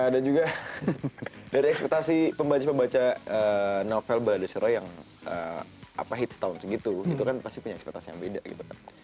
dan juga dari ekspektasi pembaca pembaca novel balade siroy yang hit setahun segitu itu kan pasti punya ekspektasi yang beda gitu kan